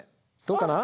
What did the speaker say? どうかな？